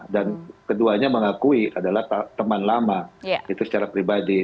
dan keduanya mengakui adalah teman lama itu secara pribadi